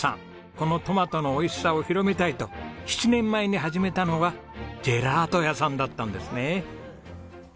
このトマトの美味しさを広めたいと７年前に始めたのがジェラート屋さんだったんですね。